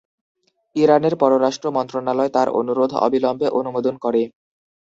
ইরানের পররাষ্ট্র মন্ত্রণালয় তার অনুরোধ অবিলম্বে অনুমোদন করে।